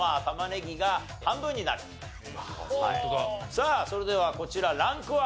さあそれではこちらランクは？